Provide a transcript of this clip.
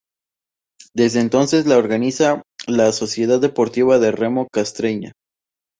Desde entonces la organiza la Sociedad Deportiva de Remo Castreña.